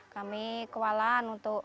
kami kewalan untuk